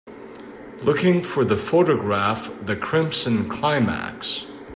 Looking for the photograph the Crimson Climax